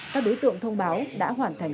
các đối tượng thông báo đã hoàn thành